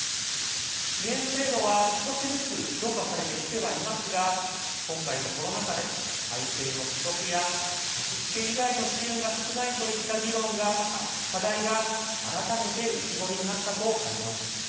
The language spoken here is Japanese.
支援制度は少しずつ強化されてきてはいますが今回のコロナ禍で体制の不足や貸付以外の支援が少ないといった課題が改めて浮き彫りになったと感じます。